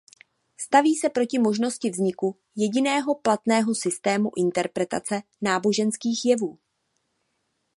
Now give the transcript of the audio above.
Staví se proti možnosti vzniku jediného platného systému interpretace náboženských jevů.